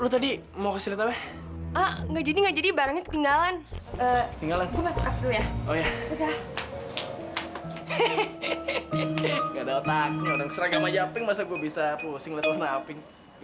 gimana aku mau neraka aku gak punya uang